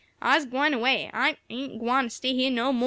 I'se gwine away I ain't gwine stay heah no mo'!"